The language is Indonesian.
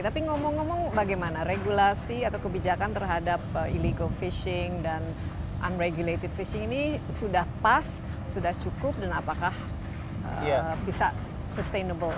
tapi ngomong ngomong bagaimana regulasi atau kebijakan terhadap illegal fishing dan unregulated fishing ini sudah pas sudah cukup dan apakah bisa sustainable